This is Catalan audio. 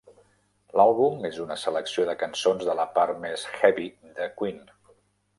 L'àlbum és una selecció de cançons de la part més "heavy" de Queen.